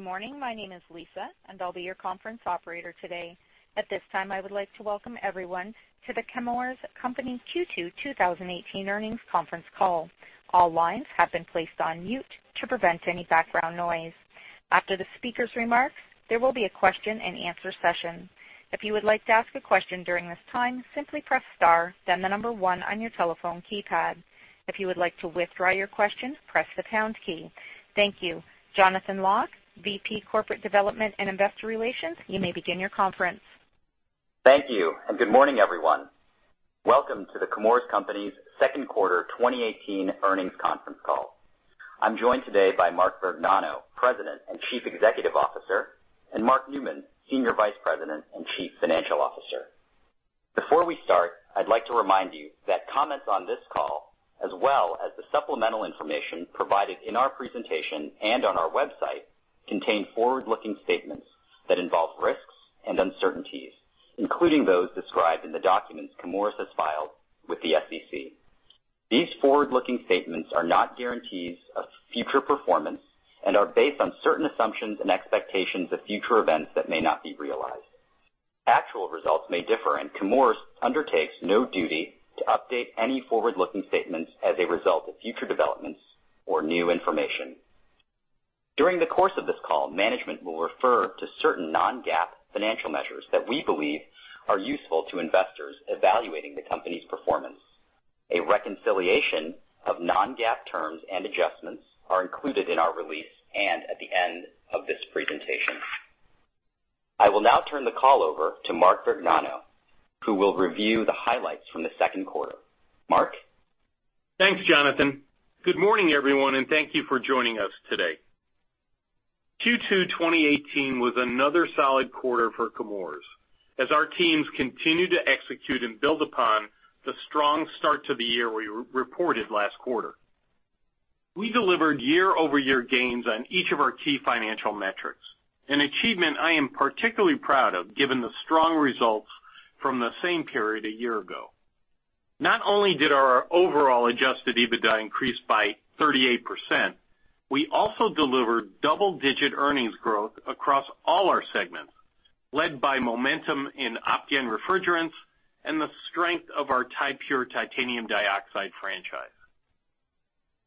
Good morning. My name is Lisa, and I'll be your conference operator today. At this time, I would like to welcome everyone to The Chemours Company Q2 2018 Earnings Conference Call. All lines have been placed on mute to prevent any background noise. After the speaker's remarks, there will be a question and answer session. If you would like to ask a question during this time, simply press star, then the number one on your telephone keypad. If you would like to withdraw your question, press the pound key. Thank you. Jonathan Lock, VP Corporate Development and Investor Relations, you may begin your conference. Thank you, and good morning, everyone. Welcome to The Chemours Company's second quarter 2018 earnings conference call. I'm joined today by Mark Vergnano, President and Chief Executive Officer, and Mark Newman, Senior Vice President and Chief Financial Officer. Before we start, I'd like to remind you that comments on this call, as well as the supplemental information provided in our presentation and on our website, contain forward-looking statements that involve risks and uncertainties, including those described in the documents Chemours has filed with the SEC. These forward-looking statements are not guarantees of future performance and are based on certain assumptions and expectations of future events that may not be realized. Actual results may differ, and Chemours undertakes no duty to update any forward-looking statements as a result of future developments or new information. During the course of this call, management will refer to certain non-GAAP financial measures that we believe are useful to investors evaluating the company's performance. A reconciliation of non-GAAP terms and adjustments are included in our release and at the end of this presentation. I will now turn the call over to Mark Vergnano, who will review the highlights from the second quarter. Mark? Thanks, Jonathan. Good morning, everyone, and thank you for joining us today. Q2 2018 was another solid quarter for Chemours as our teams continued to execute and build upon the strong start to the year we reported last quarter. We delivered year-over-year gains on each of our key financial metrics, an achievement I am particularly proud of given the strong results from the same period a year ago. Not only did our overall adjusted EBITDA increase by 38%, we also delivered double-digit earnings growth across all our segments, led by momentum in Opteon refrigerants and the strength of our Ti-Pure titanium dioxide franchise.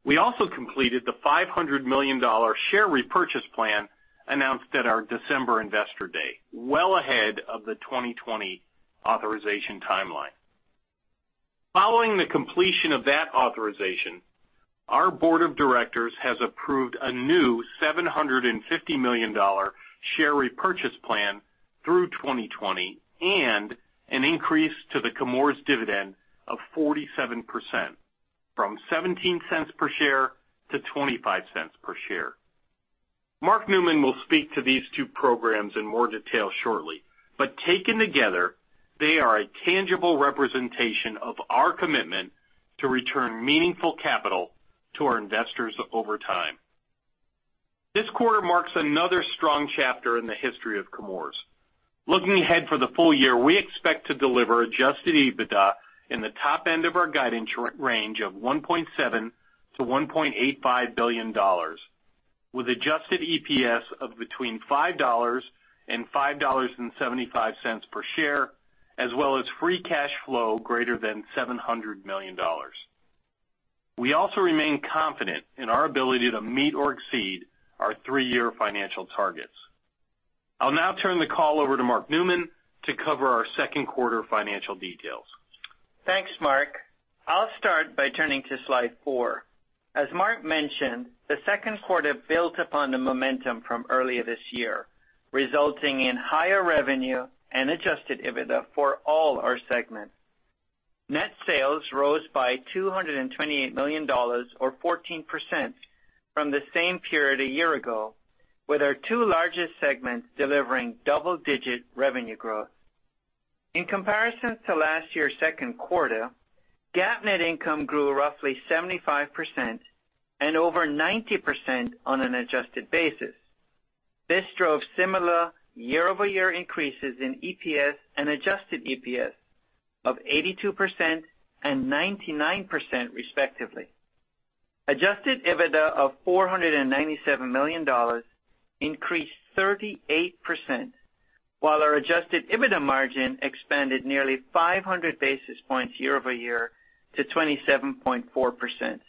We also completed the $500 million share repurchase plan announced at our December Investor Day, well ahead of the 2020 authorization timeline. Following the completion of that authorization, our board of directors has approved a new $750 million share repurchase plan through 2020 and an increase to the Chemours dividend of 47%, from $0.17 per share to $0.25 per share. Mark Newman will speak to these two programs in more detail shortly, but taken together, they are a tangible representation of our commitment to return meaningful capital to our investors over time. This quarter marks another strong chapter in the history of Chemours. Looking ahead for the full year, we expect to deliver adjusted EBITDA in the top end of our guidance range of $1.7 billion-$1.85 billion, with adjusted EPS of between $5 and $5.75 per share, as well as free cash flow greater than $700 million. We also remain confident in our ability to meet or exceed our three-year financial targets. I'll now turn the call over to Mark Newman to cover our second quarter financial details. Thanks, Mark. I'll start by turning to slide four. As Mark mentioned, the second quarter built upon the momentum from earlier this year, resulting in higher revenue and adjusted EBITDA for all our segments. Net sales rose by $228 million or 14% from the same period a year ago, with our two largest segments delivering double-digit revenue growth. In comparison to last year's second quarter, GAAP net income grew roughly 75% and over 90% on an adjusted basis. This drove similar year-over-year increases in EPS and adjusted EPS of 82% and 99%, respectively. Adjusted EBITDA of $497 million increased 38%, while our adjusted EBITDA margin expanded nearly 500 basis points year-over-year to 27.4%.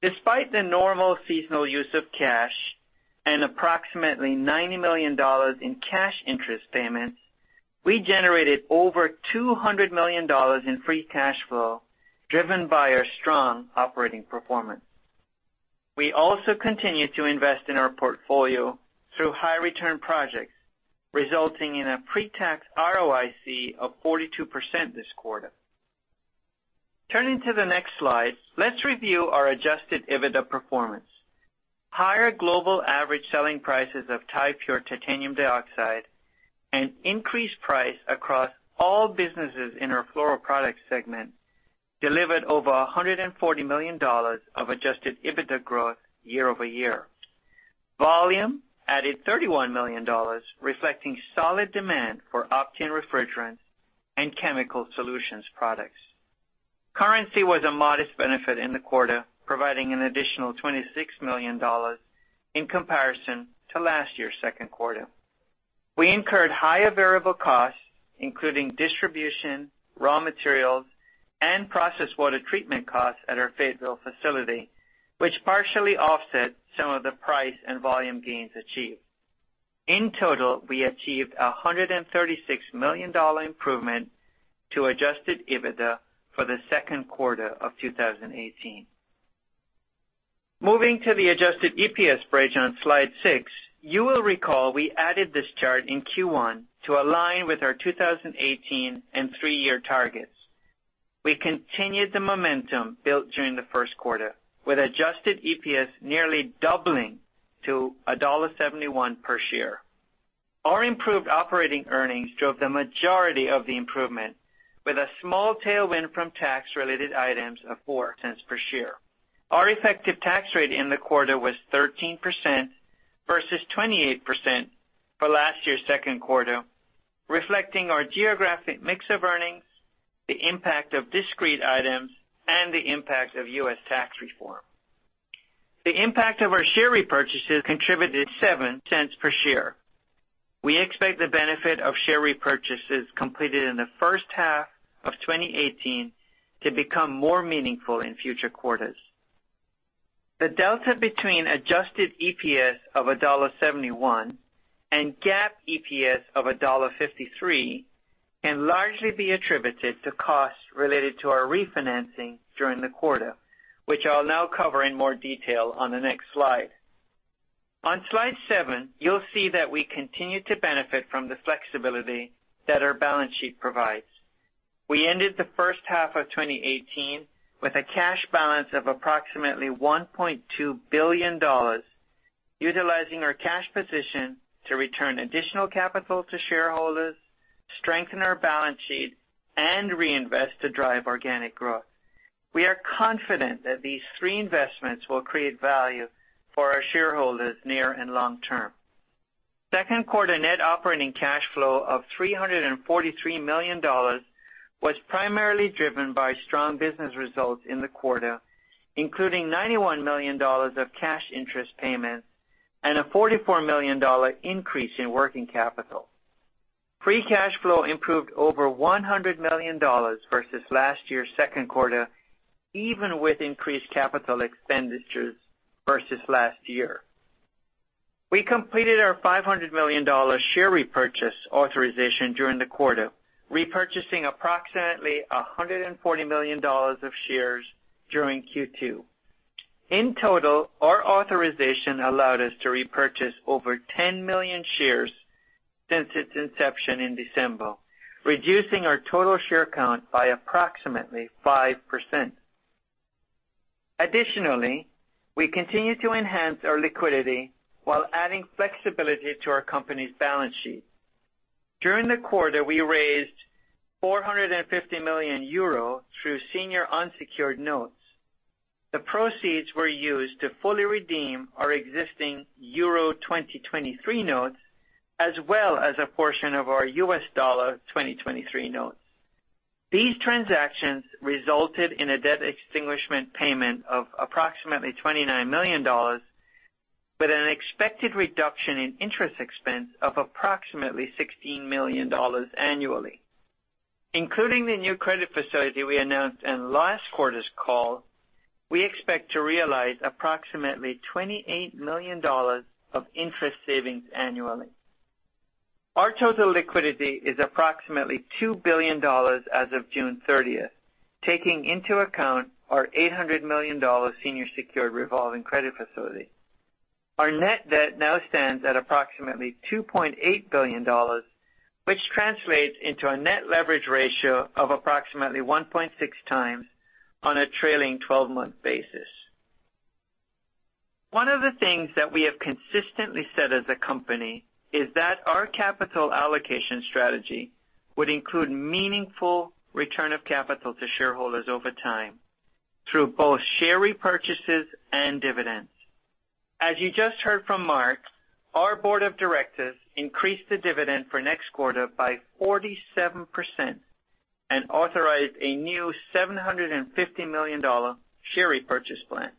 Despite the normal seasonal use of cash and approximately $90 million in cash interest payments, we generated over $200 million in free cash flow driven by our strong operating performance. We also continued to invest in our portfolio through high return projects, resulting in a pre-tax ROIC of 42% this quarter. Turning to the next slide, let's review our adjusted EBITDA performance. Higher global average selling prices of Ti-Pure titanium dioxide and increased price across all businesses in our Fluoroproducts segment delivered over $140 million of adjusted EBITDA growth year-over-year. Volume added $31 million, reflecting solid demand for Opteon refrigerants and Chemical Solutions products. Currency was a modest benefit in the quarter, providing an additional $26 million in comparison to last year's second quarter. We incurred higher variable costs, including distribution, raw materials, and processed water treatment costs at our Fayetteville facility, which partially offset some of the price and volume gains achieved. In total, we achieved $136 million improvement to adjusted EBITDA for the second quarter of 2018. Moving to the adjusted EPS bridge on slide six. You will recall we added this chart in Q1 to align with our 2018 and three-year targets. We continued the momentum built during the first quarter with adjusted EPS nearly doubling to $1.71 per share. Our improved operating earnings drove the majority of the improvement with a small tailwind from tax-related items of $0.04 per share. Our effective tax rate in the quarter was 13% versus 28% for last year's second quarter, reflecting our geographic mix of earnings, the impact of discrete items, and the impact of U.S. tax reform. The impact of our share repurchases contributed $0.07 per share. We expect the benefit of share repurchases completed in the first half of 2018 to become more meaningful in future quarters. The delta between adjusted EPS of $1.71 and GAAP EPS of $1.53 can largely be attributed to costs related to our refinancing during the quarter, which I'll now cover in more detail on the next slide. On slide seven, you'll see that we continue to benefit from the flexibility that our balance sheet provides. We ended the first half of 2018 with a cash balance of approximately $1.2 billion, utilizing our cash position to return additional capital to shareholders, strengthen our balance sheet, and reinvest to drive organic growth. We are confident that these three investments will create value for our shareholders near and long term. Second quarter net operating cash flow of $343 million was primarily driven by strong business results in the quarter, including $91 million of cash interest payments and a $44 million increase in working capital. Free cash flow improved over $100 million versus last year's second quarter, even with increased capital expenditures versus last year. We completed our $500 million share repurchase authorization during the quarter, repurchasing approximately $140 million of shares during Q2. In total, our authorization allowed us to repurchase over 10 million shares since its inception in December, reducing our total share count by approximately 5%. Additionally, we continue to enhance our liquidity while adding flexibility to our company's balance sheet. During the quarter, we raised 450 million euro through senior unsecured notes. The proceeds were used to fully redeem our existing Euro 2023 notes, as well as a portion of our U.S. dollar 2023 notes. These transactions resulted in a debt extinguishment payment of approximately $29 million, with an expected reduction in interest expense of approximately $16 million annually. Including the new credit facility we announced in last quarter's call, we expect to realize approximately $28 million of interest savings annually. Our total liquidity is approximately $2 billion as of June 30th, taking into account our $800 million senior secured revolving credit facility. Our net debt now stands at approximately $2.8 billion, which translates into a net leverage ratio of approximately 1.6 times on a trailing 12-month basis. One of the things that we have consistently said as a company is that our capital allocation strategy would include meaningful return of capital to shareholders over time through both share repurchases and dividends. As you just heard from Mark, our board of directors increased the dividend for next quarter by 47% and authorized a new $750 million share repurchase plan.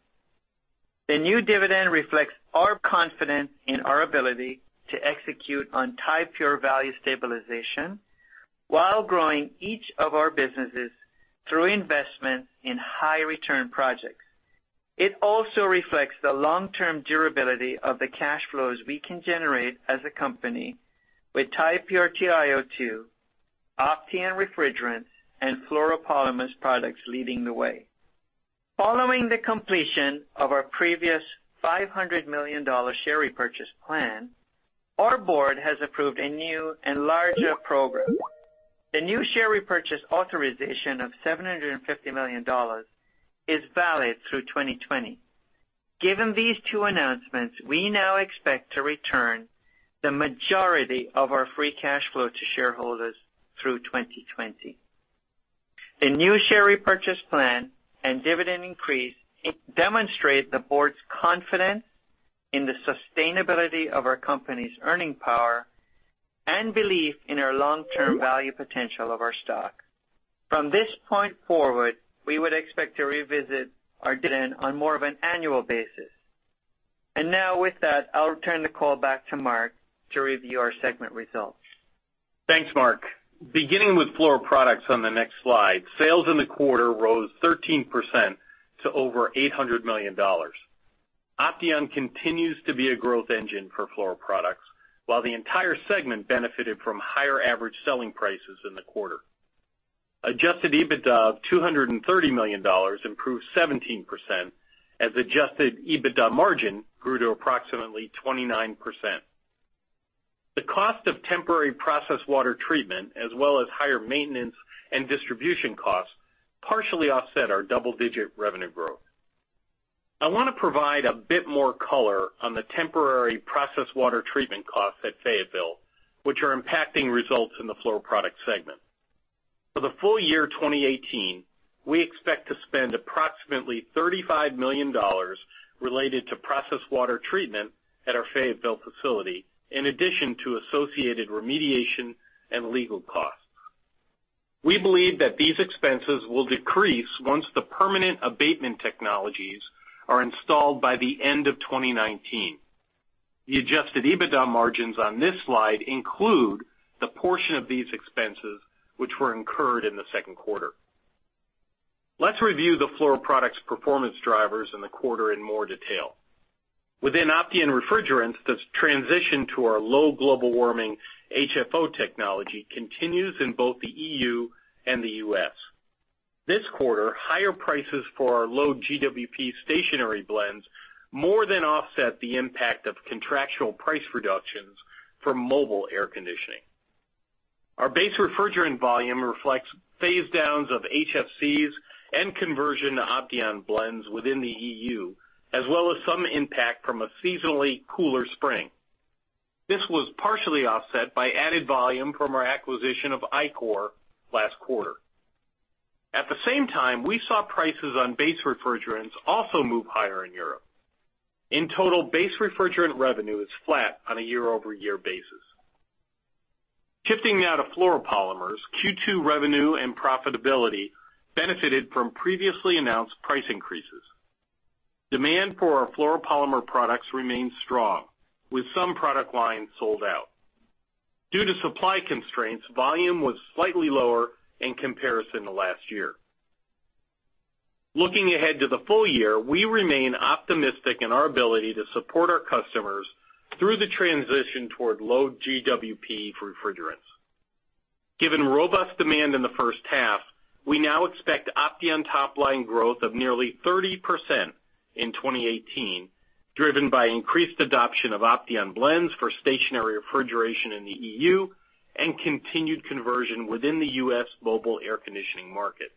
The new dividend reflects our confidence in our ability to execute on Ti-Pure value stabilization while growing each of our businesses through investment in high-return projects. It also reflects the long-term durability of the cash flows we can generate as a company with Ti-Pure TiO2, Opteon refrigerants, and fluoropolymers products leading the way. Following the completion of our previous $500 million share repurchase plan, our board has approved a new and larger program. The new share repurchase authorization of $750 million is valid through 2020. Given these two announcements, we now expect to return the majority of our free cash flow to shareholders through 2020. The new share repurchase plan and dividend increase demonstrate the board's confidence in the sustainability of our company's earning power and belief in our long-term value potential of our stock. From this point forward, we would expect to revisit our dividend on more of an annual basis. Now with that, I'll turn the call back to Mark to review our segment results. Thanks, Mark. Beginning with Fluoroproducts on the next slide, sales in the quarter rose 13% to over $800 million. Opteon continues to be a growth engine for Fluoroproducts, while the entire segment benefited from higher average selling prices in the quarter. Adjusted EBITDA of $230 million improved 17% as adjusted EBITDA margin grew to approximately 29%. The cost of temporary process water treatment, as well as higher maintenance and distribution costs, partially offset our double-digit revenue growth. I want to provide a bit more color on the temporary process water treatment costs at Fayetteville, which are impacting results in the Fluoroproducts segment. For the full year 2018, we expect to spend approximately $35 million related to process water treatment at our Fayetteville facility, in addition to associated remediation and legal costs. We believe that these expenses will decrease once the permanent abatement technologies are installed by the end of 2019. The adjusted EBITDA margins on this slide include the portion of these expenses which were incurred in the second quarter. Let's review the Fluoroproducts' performance drivers in the quarter in more detail. Within Opteon refrigerants, the transition to our low global warming HFO technology continues in both the EU and the U.S. This quarter, higher prices for our low GWP stationary blends more than offset the impact of contractual price reductions for mobile air conditioning. Our base refrigerant volume reflects phasedowns of HFCs and conversion to Opteon blends within the EU, as well as some impact from a seasonally cooler spring. This was partially offset by added volume from our acquisition of ICOR last quarter. At the same time, we saw prices on base refrigerants also move higher in Europe. In total, base refrigerant revenue is flat on a year-over-year basis. Shifting now to fluoropolymers, Q2 revenue and profitability benefited from previously announced price increases. Demand for our fluoropolymer products remained strong, with some product lines sold out. Due to supply constraints, volume was slightly lower in comparison to last year. Looking ahead to the full year, we remain optimistic in our ability to support our customers through the transition toward low GWP refrigerants. Given robust demand in the first half, we now expect Opteon top-line growth of nearly 30% in 2018, driven by increased adoption of Opteon blends for stationary refrigeration in the EU and continued conversion within the U.S. mobile air conditioning market.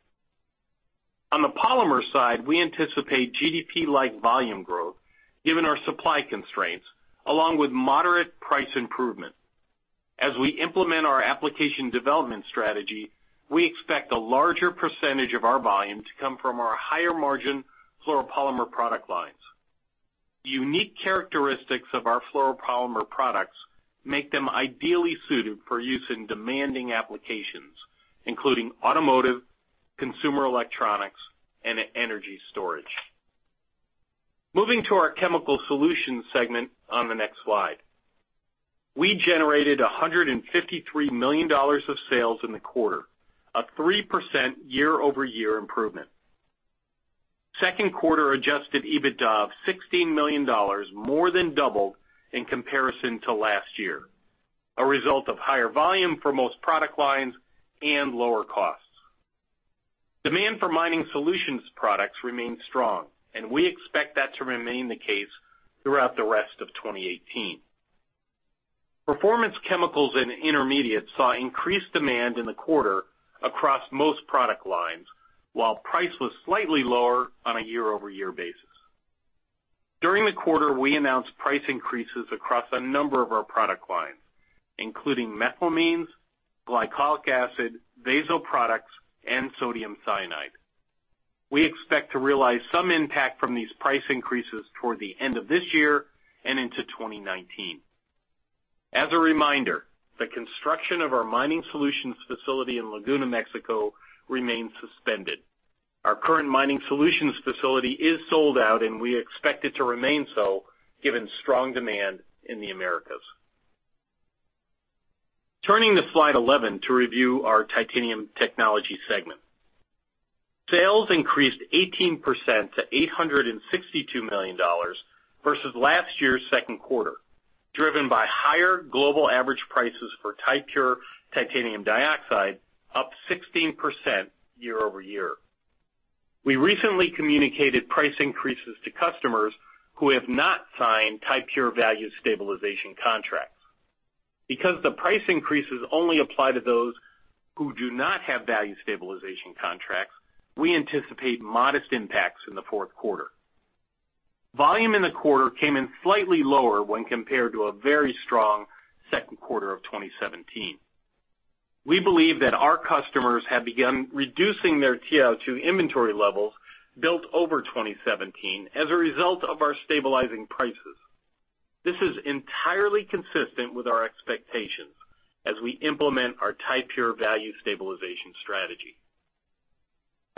On the polymer side, we anticipate GDP-like volume growth given our supply constraints, along with moderate price improvement. As we implement our application development strategy, we expect a larger percentage of our volume to come from our higher margin fluoropolymer product lines. The unique characteristics of our fluoropolymer products make them ideally suited for use in demanding applications, including automotive, consumer electronics, and energy storage. Moving to our Chemical Solutions segment on the next slide. We generated $153 million of sales in the quarter, a 3% year-over-year improvement. Second quarter adjusted EBITDA of $16 million more than doubled in comparison to last year, a result of higher volume for most product lines and lower costs. Demand for Mining Solutions products remained strong, and we expect that to remain the case throughout the rest of 2018. Performance Chemicals and Intermediates saw increased demand in the quarter across most product lines, while price was slightly lower on a year-over-year basis. During the quarter, we announced price increases across a number of our product lines, including methylamines, glycolic acid, Vazo products, and sodium cyanide. We expect to realize some impact from these price increases toward the end of this year and into 2019. As a reminder, the construction of our Mining Solutions facility in La Laguna, Mexico remains suspended. Our current Mining Solutions facility is sold out, and we expect it to remain so given strong demand in the Americas. Turning to slide 11 to review our Titanium Technologies segment. Sales increased 18% to $862 million versus last year's second quarter, driven by higher global average prices for Ti-Pure titanium dioxide, up 16% year-over-year. We recently communicated price increases to customers who have not signed Ti-Pure value stabilization contracts. Because the price increases only apply to those who do not have value stabilization contracts, we anticipate modest impacts in the fourth quarter. Volume in the quarter came in slightly lower when compared to a very strong second quarter of 2017. We believe that our customers have begun reducing their TiO2 inventory levels built over 2017 as a result of our stabilizing prices. This is entirely consistent with our expectations as we implement our Ti-Pure value stabilization strategy.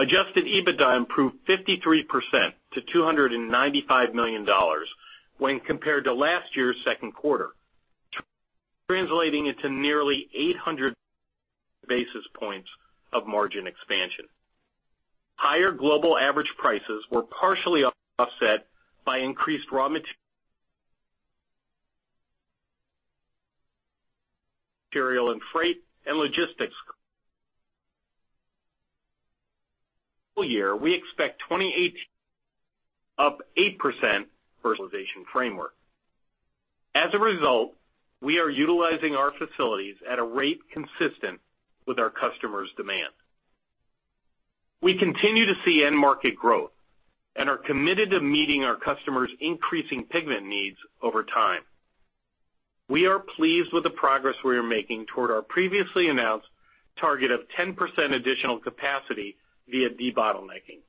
Adjusted EBITDA improved 53% to $295 million when compared to last year's second quarter, translating into nearly 800 basis points of margin expansion. Higher global average prices were partially offset by increased raw material and freight and logistics. Full year, we expect 2018 up 8% value stabilization framework. As a result, we are utilizing our facilities at a rate consistent with our customers' demands. We continue to see end market growth and are committed to meeting our customers' increasing pigment needs over time. We are pleased with the progress we are making toward our previously announced target of 10% additional capacity via debottlenecking.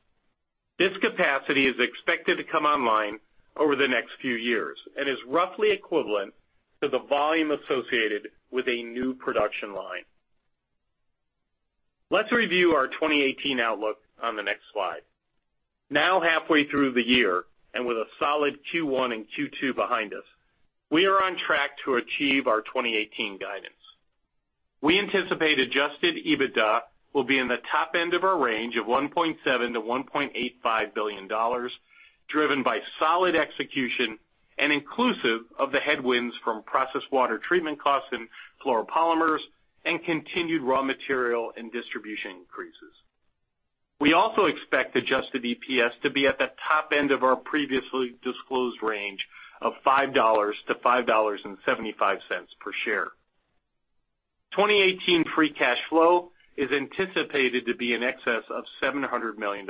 This capacity is expected to come online over the next few years and is roughly equivalent to the volume associated with a new production line. Let's review our 2018 outlook on the next slide. Now halfway through the year and with a solid Q1 and Q2 behind us, we are on track to achieve our 2018 guidance. We anticipate adjusted EBITDA will be in the top end of our range of $1.7 billion-$1.85 billion, driven by solid execution and inclusive of the headwinds from process water treatment costs in fluoropolymers and continued raw material and distribution increases. We also expect adjusted EPS to be at the top end of our previously disclosed range of $5-$5.75 per share. 2018 free cash flow is anticipated to be in excess of $700 million.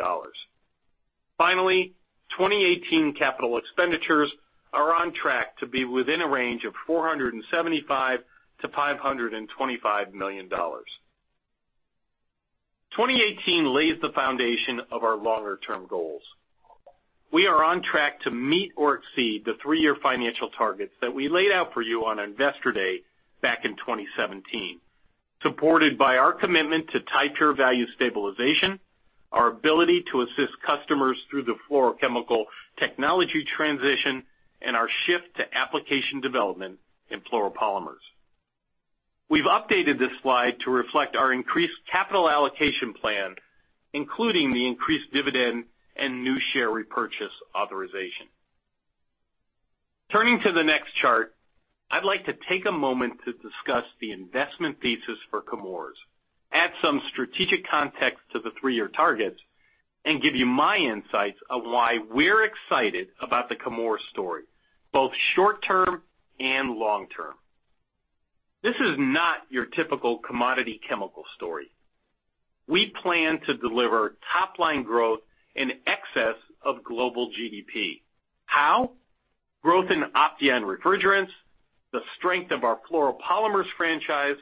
Finally, 2018 capital expenditures are on track to be within a range of $475 million-$525 million. 2018 lays the foundation of our longer-term goals. We are on track to meet or exceed the three-year financial targets that we laid out for you on Investor Day back in 2017, supported by our commitment to Ti-Pure value stabilization, our ability to assist customers through the fluorochemical technology transition, and our shift to application development in fluoropolymers. We've updated this slide to reflect our increased capital allocation plan, including the increased dividend and new share repurchase authorization. Turning to the next chart, I'd like to take a moment to discuss the investment thesis for Chemours, add some strategic context to the three-year targets, and give you my insights on why we're excited about the Chemours story, both short-term and long-term. This is not your typical commodity chemical story. We plan to deliver top-line growth in excess of global GDP. How? Growth in Opteon refrigerants, the strength of our fluoropolymers franchise,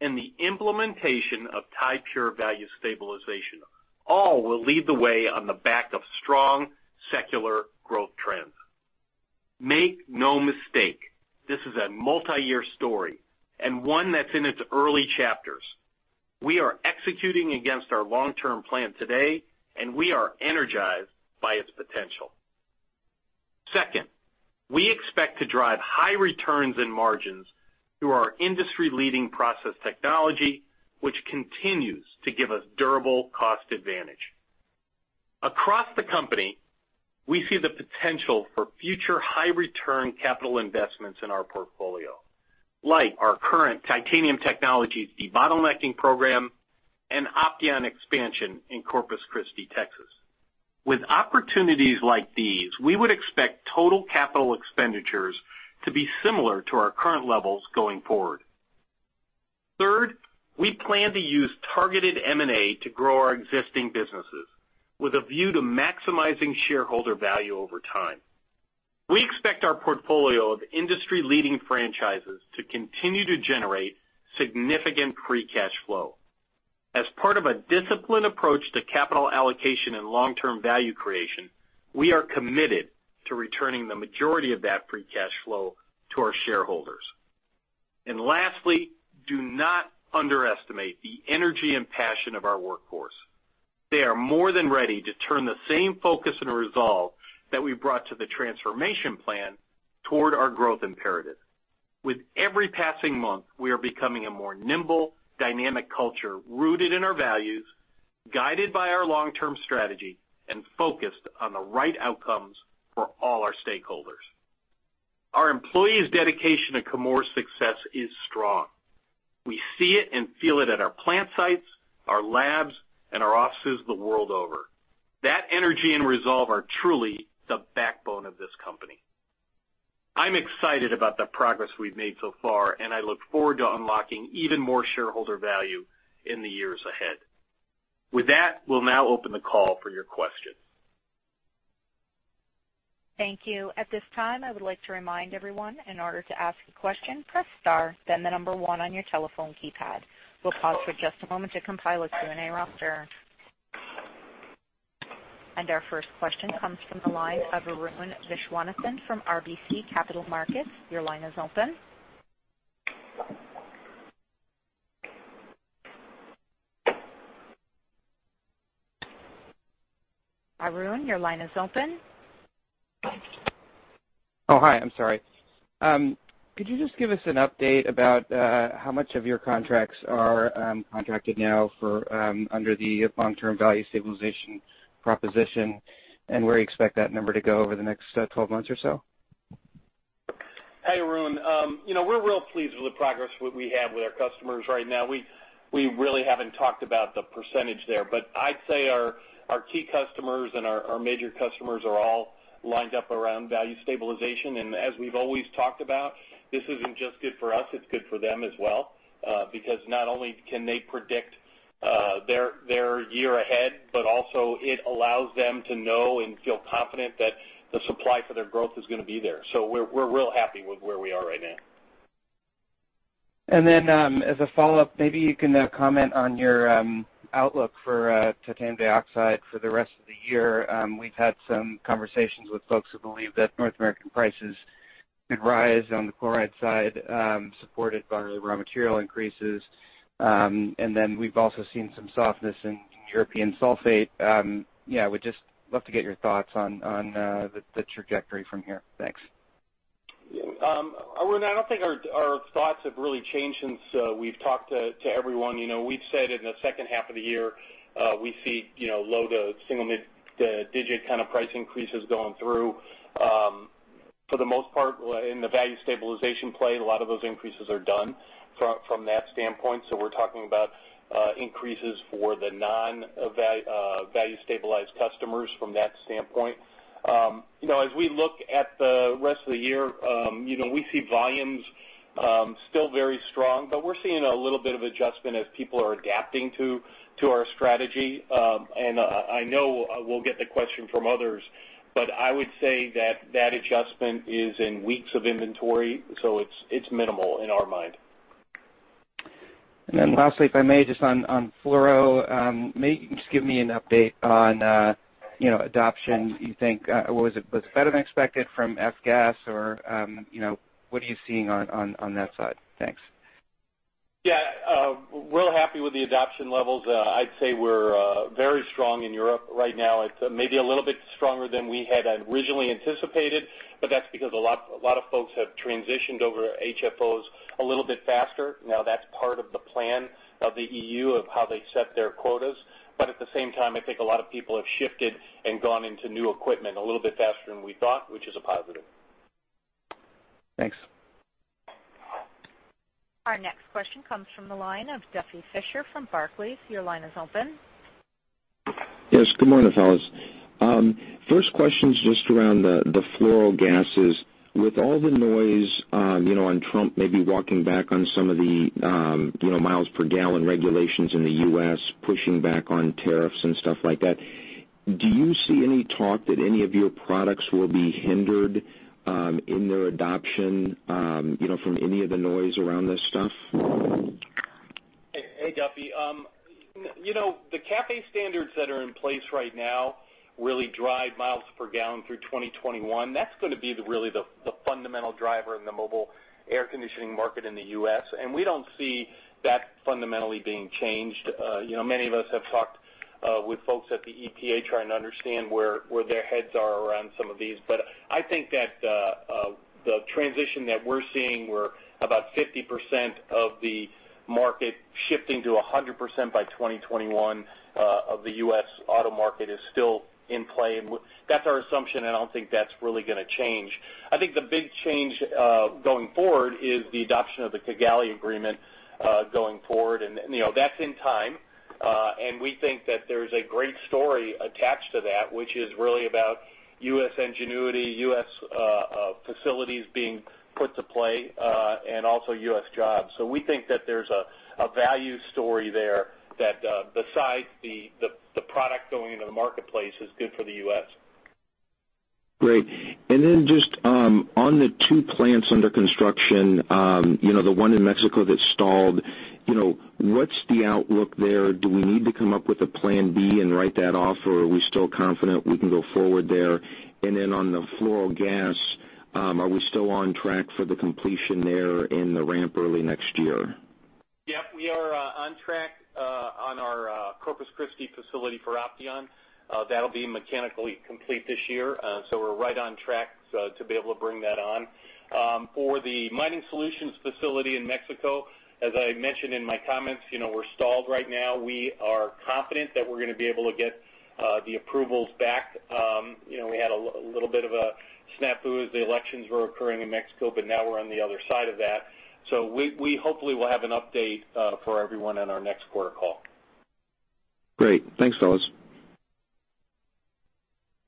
and the implementation of Ti-Pure value stabilization all will lead the way on the back of strong secular growth trends. Make no mistake, this is a multi-year story and one that's in its early chapters. We are executing against our long-term plan today, and we are energized by its potential. Second, we expect to drive high returns and margins through our industry-leading process technology, which continues to give us durable cost advantage. Across the company, we see the potential for future high return capital investments in our portfolio, like our current Titanium Technologies debottlenecking program and Opteon expansion in Corpus Christi, Texas. With opportunities like these, we would expect total capital expenditures to be similar to our current levels going forward. Third, we plan to use targeted M&A to grow our existing businesses with a view to maximizing shareholder value over time. We expect our portfolio of industry-leading franchises to continue to generate significant free cash flow. As part of a disciplined approach to capital allocation and long-term value creation, we are committed to returning the majority of that free cash flow to our shareholders. Lastly, do not underestimate the energy and passion of our workforce. They are more than ready to turn the same focus and resolve that we brought to the transformation plan toward our growth imperative. With every passing month, we are becoming a more nimble, dynamic culture, rooted in our values, guided by our long-term strategy, and focused on the right outcomes for all our stakeholders. Our employees' dedication to Chemours' success is strong. We see it and feel it at our plant sites, our labs, and our offices the world over. That energy and resolve are truly the backbone of this company. I'm excited about the progress we've made so far, and I look forward to unlocking even more shareholder value in the years ahead. With that, we'll now open the call for your questions. Thank you. At this time, I would like to remind everyone, in order to ask a question, press star then the number 1 on your telephone keypad. We'll pause for just a moment to compile a Q&A roster. Our first question comes from the line of Arun Viswanathan from RBC Capital Markets. Your line is open. Arun, your line is open. Hi. I'm sorry. Could you just give us an update about how much of your contracts are contracted now under the long-term value stabilization proposition, and where you expect that number to go over the next 12 months or so? Hey, Arun. We're real pleased with the progress we have with our customers right now. We really haven't talked about the percentage there, but I'd say our key customers and our major customers are all lined up around value stabilization. As we've always talked about, this isn't just good for us, it's good for them as well, because not only can they predict their year ahead, but also it allows them to know and feel confident that the supply for their growth is going to be there. We're real happy with where we are right now. As a follow-up, maybe you can comment on your outlook for titanium dioxide for the rest of the year. We've had some conversations with folks who believe that North American prices could rise on the chloride side, supported by raw material increases. We've also seen some softness in European sulfate. Would just love to get your thoughts on the trajectory from here. Thanks. Arun, I don't think our thoughts have really changed since we've talked to everyone. We've said in the second half of the year, we see low to single mid digit kind of price increases going through. For the most part, in the value stabilization play, a lot of those increases are done from that standpoint. We're talking about increases for the non-value stabilized customers from that standpoint. As we look at the rest of the year, we see volumes still very strong, but we're seeing a little bit of adjustment as people are adapting to our strategy. I know we'll get the question from others, but I would say that that adjustment is in weeks of inventory, so it's minimal in our mind. Lastly, if I may, just on fluoro, maybe you can just give me an update on adoption. Do you think was it better than expected from F-gas or what are you seeing on that side? Thanks. Real happy with the adoption levels. I'd say we're very strong in Europe right now. It's maybe a little bit stronger than we had originally anticipated, but that's because a lot of folks have transitioned over to HFOs a little bit faster. That's part of the plan of the EU, of how they set their quotas. At the same time, I think a lot of people have shifted and gone into new equipment a little bit faster than we thought, which is a positive. Thanks. Our next question comes from the line of Duffy Fischer from Barclays. Your line is open. Yes, good morning, fellas. First question is just around the fluoro gases. With all the noise on Trump maybe walking back on some of the miles per gallon regulations in the U.S., pushing back on tariffs and stuff like that, do you see any talk that any of your products will be hindered in their adoption from any of the noise around this stuff? Hey, Duffy. The CAFE standards that are in place right now really drive miles per gallon through 2021. That's going to be really the fundamental driver in the mobile air conditioning market in the U.S., we don't see that fundamentally being changed. Many of us have talked with folks at the EPA trying to understand where their heads are around some of these. I think that the transition that we're seeing, where about 50% of the market shifting to 100% by 2021 of the U.S. auto market is still in play. That's our assumption, I don't think that's really going to change. I think the big change going forward is the adoption of the Kigali agreement, going forward. That's in time. We think that there's a great story attached to that, which is really about U.S. ingenuity, U.S. facilities being put to play, and also U.S. jobs. We think that there's a value story there that besides the product going into the marketplace, is good for the U.S. Just on the two plants under construction, the one in Mexico that stalled, what's the outlook there? Do we need to come up with a plan B and write that off, or are we still confident we can go forward there? On the fluoro gas, are we still on track for the completion there in the ramp early next year? Yep, we are on track on our Corpus Christi facility for Opteon. That'll be mechanically complete this year. We're right on track to be able to bring that on. For the Mining Solutions facility in Mexico, as I mentioned in my comments, we're stalled right now. We are confident that we're going to be able to get the approvals back. We had a little bit of a snafu as the elections were occurring in Mexico, but now we're on the other side of that. We hopefully will have an update for everyone on our next quarter call. Great. Thanks, fellas.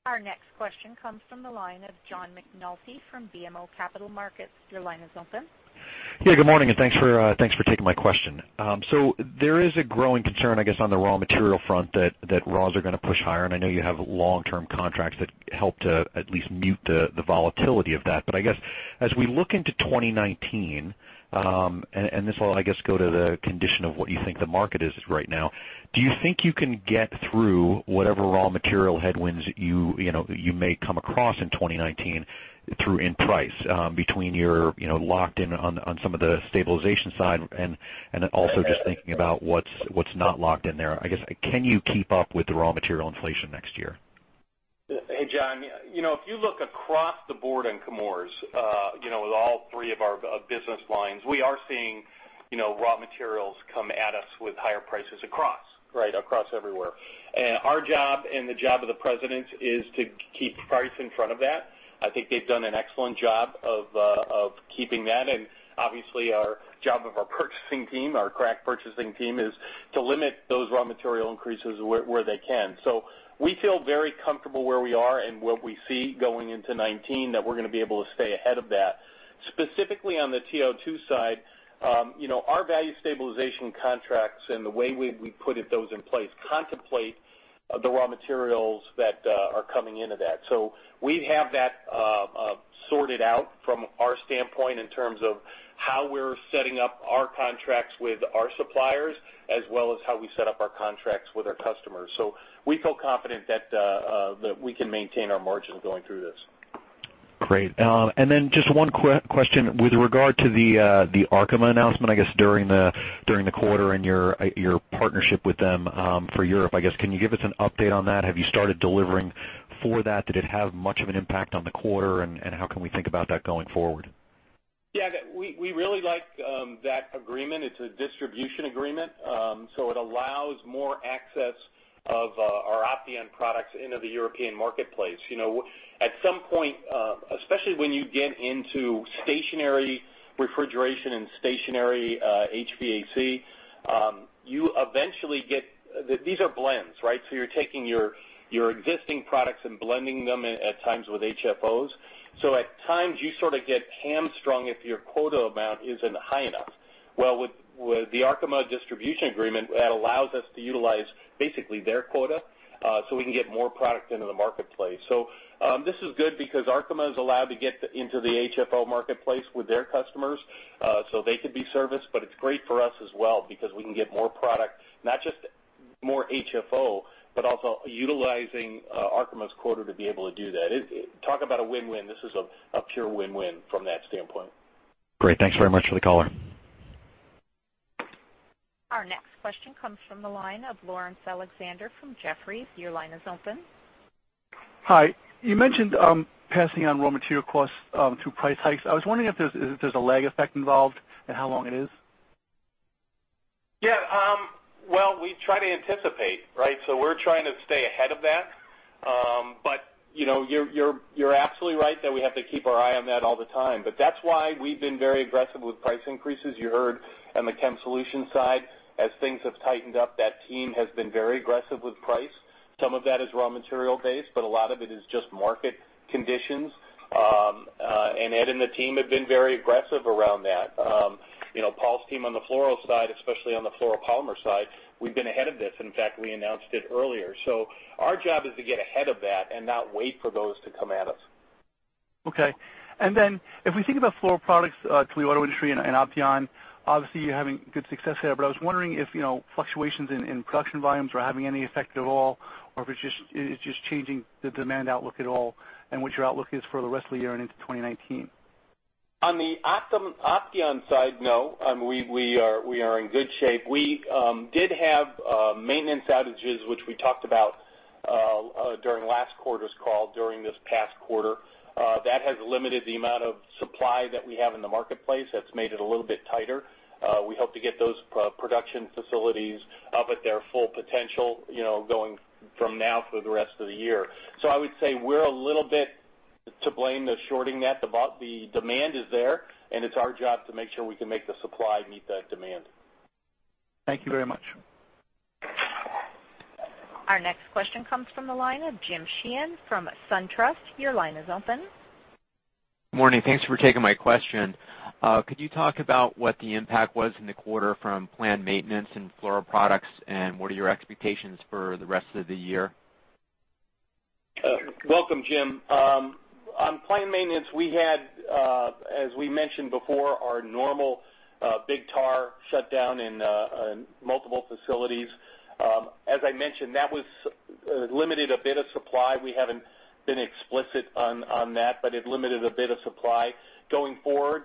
Our next question comes from the line of John McNulty from BMO Capital Markets. Your line is open. Good morning, and thanks for taking my question. There is a growing concern, I guess, on the raw material front that raws are going to push higher. I know you have long-term contracts that help to at least mute the volatility of that. I guess as we look into 2019, and this will, I guess, go to the condition of what you think the market is right now, do you think you can get through whatever raw material headwinds you may come across in 2019 through in price between your locked in on some of the stabilization side and then also just thinking about what's not locked in there? I guess, can you keep up with the raw material inflation next year? Hey, John. If you look across the board in Chemours with all three of our business lines, we are seeing raw materials come at us with higher prices across, right across everywhere. Our job and the job of the presidents is to keep price in front of that. I think they've done an excellent job of keeping that. Obviously, our job of our purchasing team, our crack purchasing team, is to limit those raw material increases where they can. We feel very comfortable where we are and what we see going into 2019, that we're going to be able to stay ahead of that. Specifically on the TiO2 side our value stabilization contracts and the way we put those in place contemplate the raw materials that are coming into that. We have that sorted out from our standpoint in terms of how we're setting up our contracts with our suppliers as well as how we set up our contracts with our customers. We feel confident that we can maintain our margins going through this. Great. Then just one quick question with regard to the Arkema announcement, I guess, during the quarter and your partnership with them for Europe, I guess, can you give us an update on that? Have you started delivering for that? Did it have much of an impact on the quarter? How can we think about that going forward? Yeah, we really like that agreement. It's a distribution agreement. It allows more access of our Opteon products into the European marketplace. At some point, especially when you get into stationary refrigeration and stationary HVAC, these are blends, right? You're taking your existing products and blending them at times with HFOs. At times you sort of get hamstrung if your quota amount isn't high enough. With the Arkema distribution agreement, that allows us to utilize basically their quota so we can get more product into the marketplace. This is good because Arkema is allowed to get into the HFO marketplace with their customers so they could be serviced. But it's great for us as well because we can get more product, not just more HFO, but also utilizing Arkema's quota to be able to do that. Talk about a win-win. This is a pure win-win from that standpoint. Great. Thanks very much for the color. Our next question comes from the line of Lawrence Alexander from Jefferies. Your line is open. Hi. You mentioned passing on raw material costs through price hikes. I was wondering if there's a lag effect involved and how long it is. Yeah. Well, we try to anticipate, right? We're trying to stay ahead of that. You're absolutely right that we have to keep our eye on that all the time. That's why we've been very aggressive with price increases. You heard on the Chem Solutions side, as things have tightened up, that team has been very aggressive with price. Some of that is raw material based, but a lot of it is just market conditions. Ed and the team have been very aggressive around that. Paul's team on the fluoro side, especially on the fluoropolymer side, we've been ahead of this. In fact, we announced it earlier. Our job is to get ahead of that and not wait for those to come at us. Okay. If we think about fluor products to the auto industry and Opteon, obviously, you're having good success there. I was wondering if fluctuations in production volumes were having any effect at all or if it's just changing the demand outlook at all and what your outlook is for the rest of the year and into 2019. On the Opteon side, no. We are in good shape. We did have maintenance outages, which we talked about during last quarter's call, during this past quarter. That has limited the amount of supply that we have in the marketplace. That's made it a little bit tighter. We hope to get those production facilities up at their full potential going from now through the rest of the year. I would say we're a little bit to blame the shorting that. The demand is there, and it's our job to make sure we can make the supply meet that demand. Thank you very much. Our next question comes from the line of Jim Sheehan from SunTrust. Your line is open. Morning. Thanks for taking my question. Could you talk about what the impact was in the quarter from planned maintenance in Fluoroproducts, and what are your expectations for the rest of the year? Welcome, Jim. On planned maintenance, we had, as we mentioned before, our normal big TAR shutdown in multiple facilities. As I mentioned, that limited a bit of supply. We haven't been explicit on that, but it limited a bit of supply. Going forward,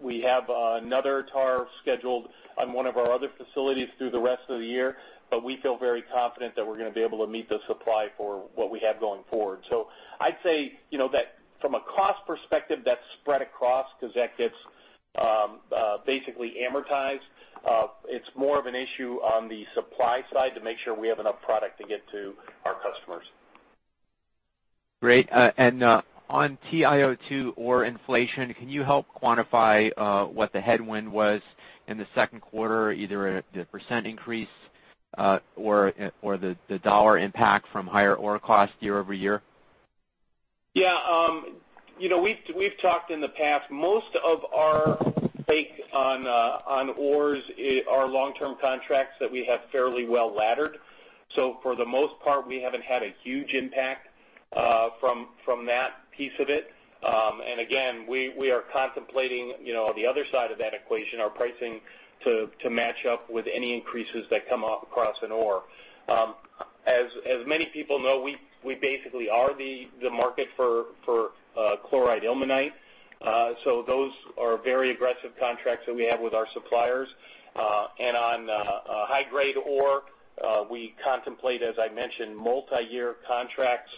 we have another TAR scheduled on one of our other facilities through the rest of the year, but we feel very confident that we're going to be able to meet the supply for what we have going forward. I'd say that from a cost perspective, that's spread across because that gets basically amortized. It's more of an issue on the supply side to make sure we have enough product to get to our customers. On TiO2 ore inflation, can you help quantify what the headwind was in the second quarter, either the % increase or the $ impact from higher ore cost year-over-year? Yeah. We've talked in the past, most of our take on ores are long-term contracts that we have fairly well laddered. For the most part, we haven't had a huge impact from that piece of it. Again, we are contemplating the other side of that equation, our pricing to match up with any increases that come up across an ore. Many people know, we basically are the market for chloride ilmenite. Those are very aggressive contracts that we have with our suppliers. On high-grade ore, we contemplate, as I mentioned, multi-year contracts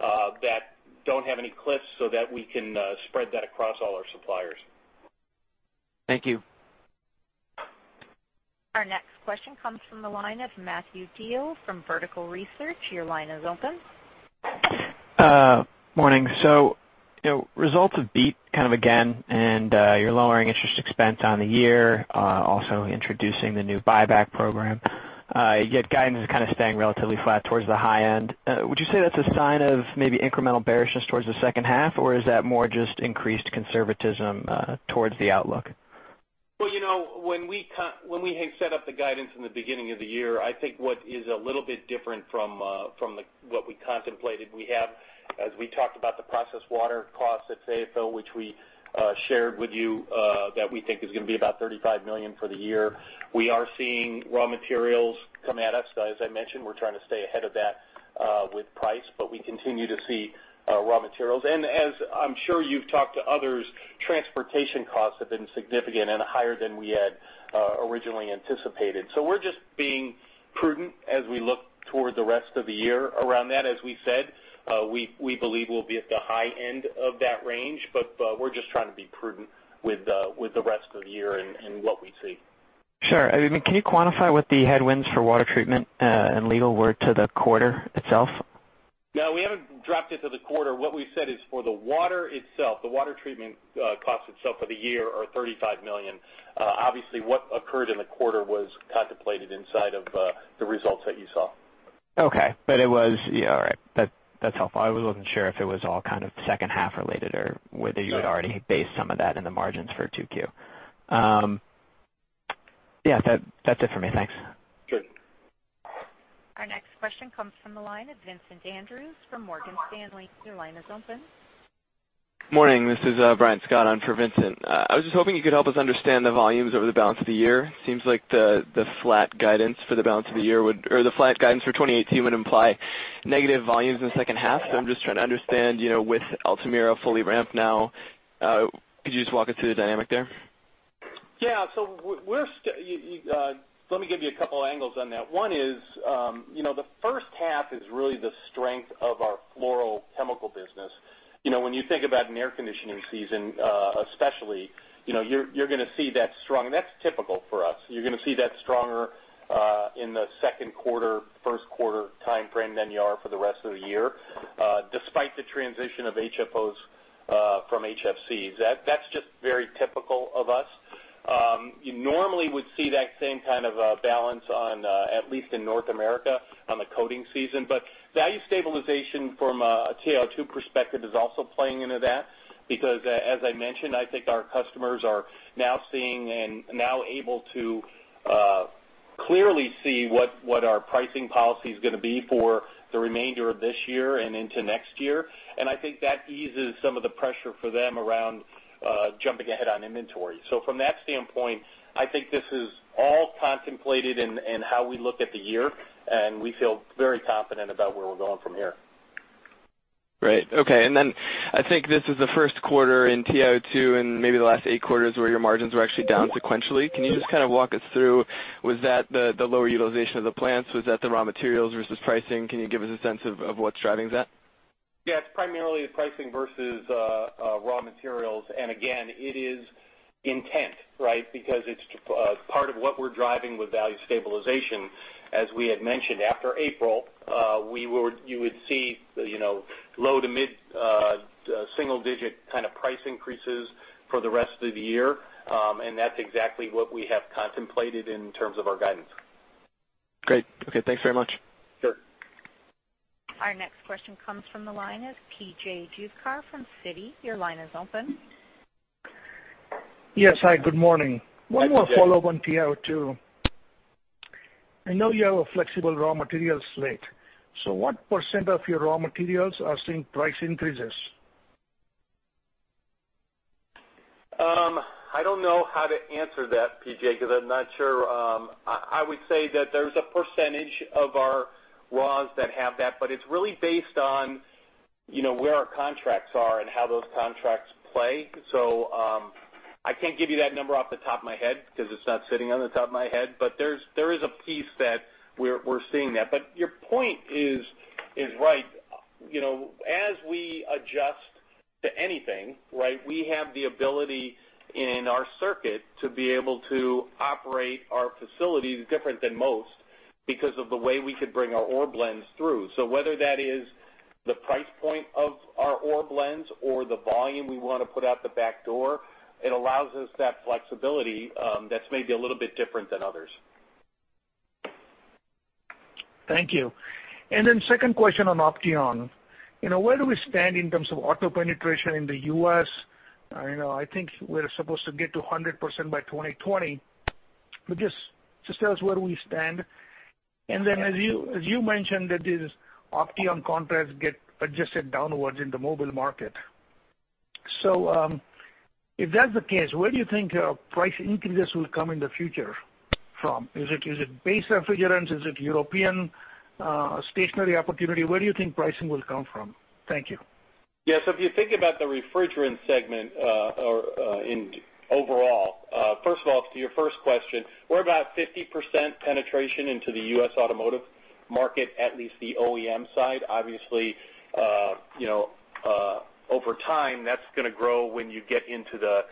that don't have any cliffs so that we can spread that across all our suppliers. Thank you. Our next question comes from the line of Matthew Thiel from Vertical Research. Your line is open. Morning. Results have beat again, you're lowering interest expense on the year, also introducing the new buyback program. Yet guidance is kind of staying relatively flat towards the high end. Would you say that's a sign of maybe incremental bearishness towards the second half, or is that more just increased conservatism towards the outlook? When we set up the guidance in the beginning of the year, I think what is a little bit different from what we contemplated, we have, as we talked about the processed water costs at CFL, which we shared with you, that we think is going to be about $35 million for the year. We are seeing raw materials come at us. As I mentioned, we're trying to stay ahead of that with price, we continue to see raw materials. As I'm sure you've talked to others, transportation costs have been significant and higher than we had originally anticipated. We're just being prudent as we look toward the rest of the year around that. As we said, we believe we'll be at the high end of that range, we're just trying to be prudent with the rest of the year and what we see. Sure. Can you quantify what the headwinds for water treatment and legal were to the quarter itself? No, we haven't dropped it to the quarter. What we've said is for the water itself, the water treatment cost itself for the year are $35 million. Obviously, what occurred in the quarter was contemplated inside of the results that you saw. Okay. All right. That's helpful. I wasn't sure if it was all kind of second half related or whether you had already based some of that in the margins for 2Q. That's it for me. Thanks. Sure. Our next question comes from the line of Vincent Andrews from Morgan Stanley. Your line is open. Morning, this is Brian Scott on for Vincent. I was just hoping you could help us understand the volumes over the balance of the year. Seems like the flat guidance for the balance of the year or the flat guidance for 2018 would imply negative volumes in the second half. I'm just trying to understand with Altamira fully ramped now, could you just walk us through the dynamic there? Yeah. Let me give you a couple angles on that. One is the first half is really the strength of our fluorochemical business. When you think about an air conditioning season, especially, you're going to see that strong. That's typical for us. You're going to see that stronger in the second quarter, first quarter timeframe than you are for the rest of the year, despite the transition of HFOs from HFCs. That's just very typical of us. You normally would see that same kind of a balance on, at least in North America, on the coating season. Value stabilization from a TiO2 perspective is also playing into that because, as I mentioned, I think our customers are now seeing and now able to clearly see what our pricing policy is going to be for the remainder of this year and into next year. I think that eases some of the pressure for them around jumping ahead on inventory. From that standpoint, I think this is all contemplated in how we look at the year, and we feel very confident about where we're going from here. Great. Okay. I think this is the first quarter in TiO2 in maybe the last eight quarters where your margins were actually down sequentially. Can you just kind of walk us through? Was that the lower utilization of the plants? Was that the raw materials versus pricing? Can you give us a sense of what's driving that? Yeah, it's primarily pricing versus raw materials. Again, it is intent, right? Because it's part of what we're driving with value stabilization. As we had mentioned, after April, you would see low to mid-single digit kind of price increases for the rest of the year. That's exactly what we have contemplated in terms of our guidance. Great. Okay. Thanks very much. Sure. Our next question comes from the line of P.J. Juvekar from Citi. Your line is open. Yes, hi, good morning. Hi, PJ. One more follow on TiO2. I know you have a flexible raw material slate. What % of your raw materials are seeing price increases? I don't know how to answer that, P.J., because I'm not sure. I would say that there's a percentage of our raws that have that, but it's really based on where our contracts are and how those contracts play. I can't give you that number off the top of my head because it's not sitting on the top of my head. There is a piece that we're seeing that. Your point is right. As we adjust to anything, we have the ability in our circuit to be able to operate our facilities different than most because of the way we could bring our ore blends through. Whether that is the price point of our ore blends or the volume we want to put out the back door, it allows us that flexibility that's maybe a little bit different than others. Thank you. Second question on Opteon. Where do we stand in terms of auto penetration in the U.S.? I think we're supposed to get to 100% by 2020. Just tell us where we stand. As you mentioned that these Opteon contracts get adjusted downwards in the mobile market. If that's the case, where do you think price increases will come in the future from? Is it base refrigerants? Is it European stationary opportunity? Where do you think pricing will come from? Thank you. Yeah. If you think about the refrigerant segment overall. First of all, to your first question, we're about 50% penetration into the U.S. automotive market, at least the OEM side. Obviously, over time, that's going to grow when you get into the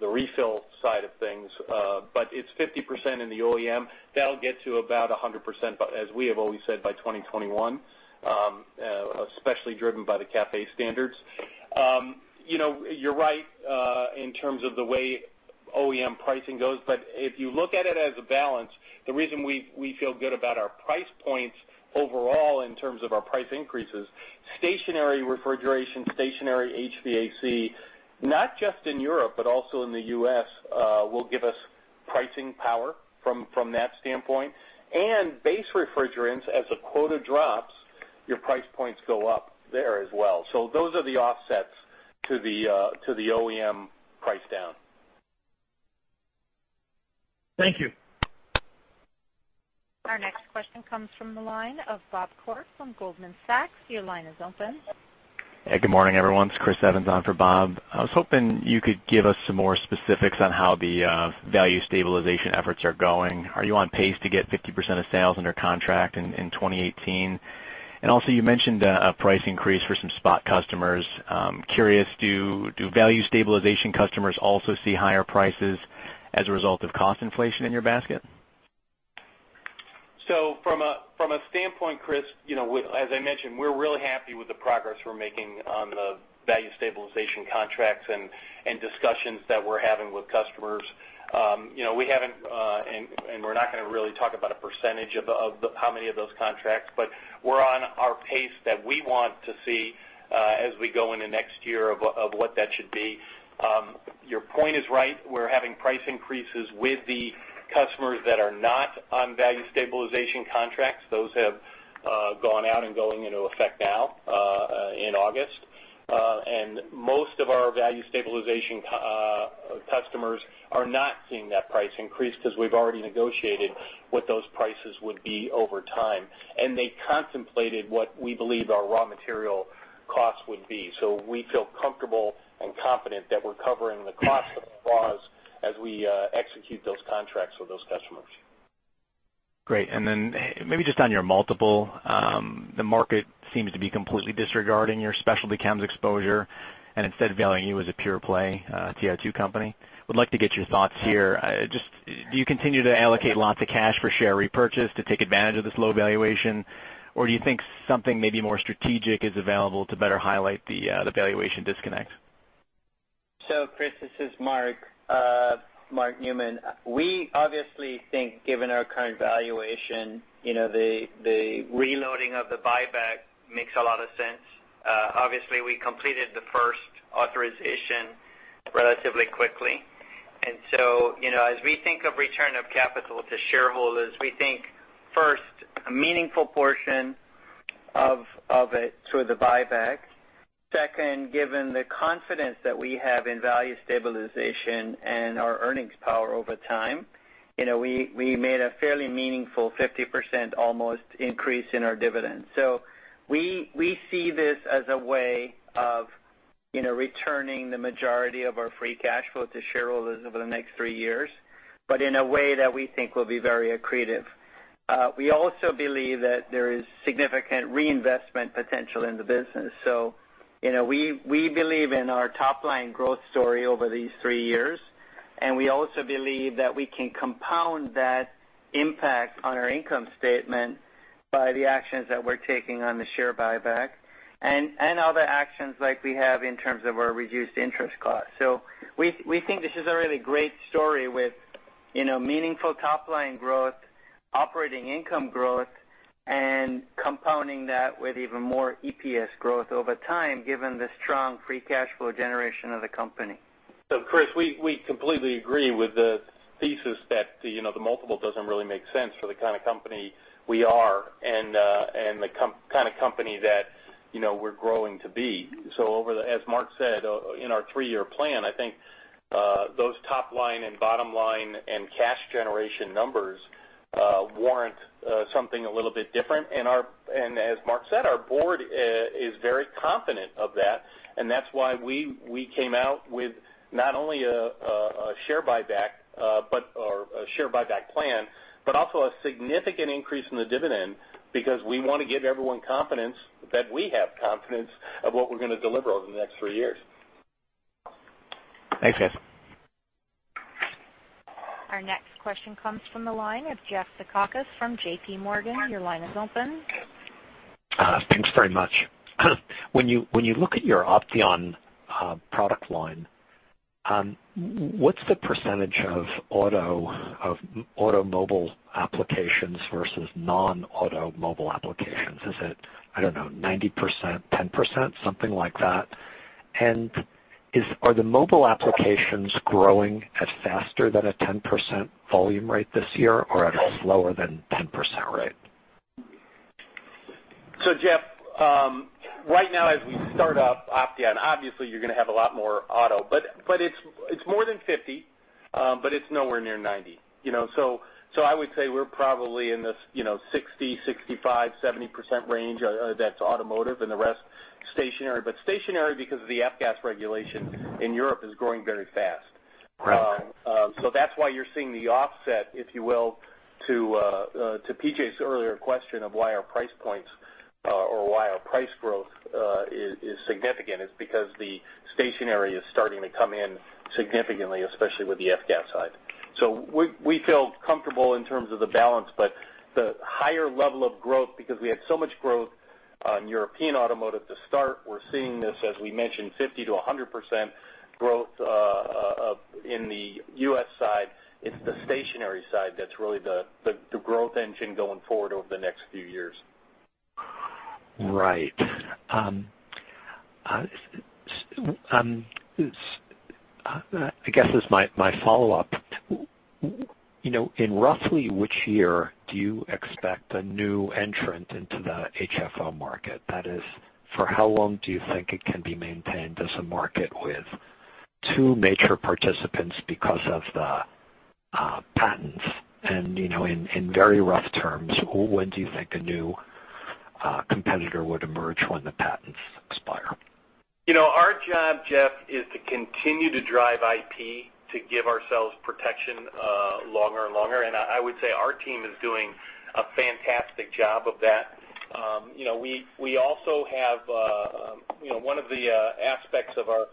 refill side of things. It's 50% in the OEM. That'll get to about 100%, as we have always said, by 2021, especially driven by the CAFE standards. You're right in terms of the way OEM pricing goes. If you look at it as a balance, the reason we feel good about our price points overall in terms of our price increases, stationary refrigeration, stationary HVAC, not just in Europe, but also in the U.S. will give us pricing power from that standpoint. Base refrigerants, as the quota drops, your price points go up there as well. Those are the offsets to the OEM price down. Thank you. Our next question comes from the line of Bob Koort from Goldman Sachs. Your line is open. Good morning, everyone. It's Christopher Evans on for Bob. You could give us some more specifics on how the Value stabilization efforts are going. Are you on pace to get 50% of sales under contract in 2018? You mentioned a price increase for some spot customers. Curious, do Value stabilization customers also see higher prices as a result of cost inflation in your basket? From a standpoint, Chris, as I mentioned, we're really happy with the progress we're making on the Value stabilization contracts and discussions that we're having with customers. We haven't, and we're not going to really talk about a percentage of how many of those contracts, but we're on our pace that we want to see as we go into next year of what that should be. Your point is right. We're having price increases with the customers that are not on Value stabilization contracts. Those have gone out and going into effect now in August. Most of our Value stabilization customers are not seeing that price increase because we've already negotiated what those prices would be over time. They contemplated what we believe our raw material costs would be. We feel comfortable and confident that we're covering the cost of the clause as we execute those contracts with those customers. Great. Then maybe just on your multiple, the market seems to be completely disregarding your specialty chems exposure and instead valuing you as a pure play TiO2 company. Would like to get your thoughts here? Do you continue to allocate lots of cash for share repurchase to take advantage of this low valuation? Or do you think something maybe more strategic is available to better highlight the valuation disconnect? Chris, this is Mark Newman. We obviously think given our current valuation, the reloading of the buyback makes a lot of sense. Obviously, we completed the first authorization relatively quickly. As we think of return of capital to shareholders, we think first, a meaningful portion of it through the buyback. Second, given the confidence that we have in value stabilization and our earnings power over time, we made a fairly meaningful 50% almost increase in our dividend. We see this as a way of returning the majority of our free cash flow to shareholders over the next 3 years, but in a way that we think will be very accretive. We also believe that there is significant reinvestment potential in the business. We believe in our top-line growth story over these 3 years, and we also believe that we can compound that impact on our income statement by the actions that we're taking on the share buyback and other actions like we have in terms of our reduced interest cost. We think this is a really great story with meaningful top-line growth, operating income growth, and compounding that with even more EPS growth over time given the strong free cash flow generation of the company. Chris, we completely agree with the thesis that the multiple doesn't really make sense for the kind of company we are and the kind of company that we're growing to be. As Mark said, in our three-year plan, I think those top-line and bottom-line and cash generation numbers warrant something a little bit different. As Mark said, our board is very confident of that, and that's why we came out with not only a share buyback plan, but also a significant increase in the dividend because we want to give everyone confidence that we have confidence of what we're going to deliver over the next three years. Thanks, guys. Our next question comes from the line of Jeff Zekauskas from JPMorgan. Your line is open. Thanks very much. When you look at your Opteon product line, what's the percentage of automobile applications versus non-automobile applications? Is it, I don't know, 90%, 10%, something like that? Are the mobile applications growing at faster than a 10% volume rate this year, or at a slower than 10% rate? Jeff, right now as we start up Opteon, obviously you're going to have a lot more auto. It's more than 50, it's nowhere near 90. I would say we're probably in this 60%, 65%, 70% range that's automotive and the rest stationary. Stationary, because of the F-gas regulation in Europe, is growing very fast. Right. That's why you're seeing the offset, if you will, to P.J.'s earlier question of why our price points or why our price growth is significant, is because the stationary is starting to come in significantly, especially with the F-gas side. We feel comfortable in terms of the balance, but the higher level of growth, because we had so much growth on European automotive to start, we're seeing this, as we mentioned, 50%-100% growth in the U.S. side. It's the stationary side that's really the growth engine going forward over the next few years. Right. I guess as my follow-up, in roughly which year do you expect a new entrant into the HFO market? That is, for how long do you think it can be maintained as a market with two major participants because of the patents and, in very rough terms, when do you think a new competitor would emerge when the patents expire? Our job, Jeff, is to continue to drive IP to give ourselves protection longer and longer. I would say our team is doing a fantastic job of that. One of the aspects of our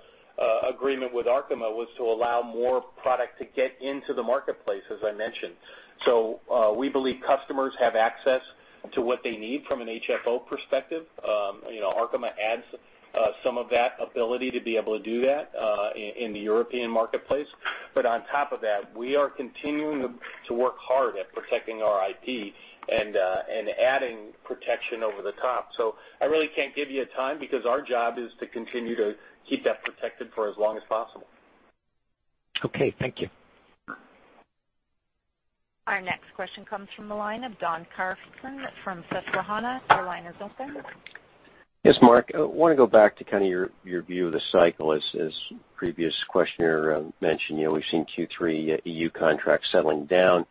agreement with Arkema was to allow more product to get into the marketplace, as I mentioned. We believe customers have access to what they need from an HFO perspective. Arkema adds some of that ability to be able to do that in the European marketplace. On top of that, we are continuing to work hard at protecting our IP and adding protection over the top. I really can't give you a time because our job is to continue to keep that protected for as long as possible. Okay, thank you. Our next question comes from the line of Don Carson from Susquehanna. Your line is open. Yes, Mark. I want to go back to kind of your view of the cycle. As the previous questioner mentioned, we've seen Q3 EU contracts settling down.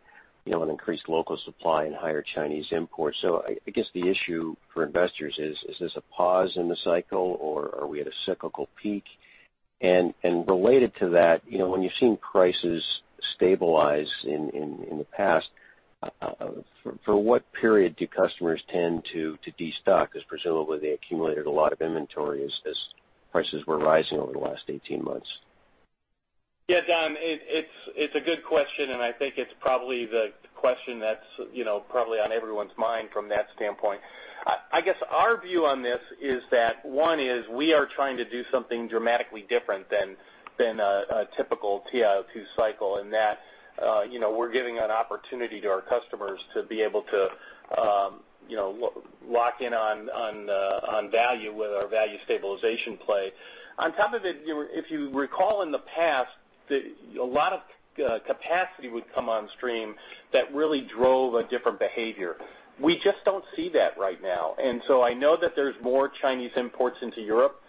Increased local supply and higher Chinese imports. I guess the issue for investors is: Is this a pause in the cycle, or are we at a cyclical peak? Related to that, when you've seen prices stabilize in the past, for what period do customers tend to de-stock, as presumably they accumulated a lot of inventory as prices were rising over the last 18 months? Yeah, Don, it's a good question. I think it's probably the question that's probably on everyone's mind from that standpoint. I guess our view on this is that one is we are trying to do something dramatically different than a typical TiO2 cycle in that we're giving an opportunity to our customers to be able to lock in on value with our value stabilization play. On top of it, if you recall in the past, a lot of capacity would come on stream that really drove a different behavior. We just don't see that right now. I know that there's more Chinese imports into Europe.